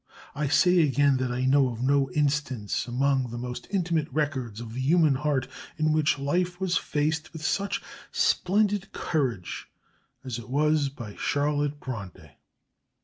I say again that I know of no instance among the most intimate records of the human heart, in which life was faced with such splendid courage as it was by Charlotte Bronte.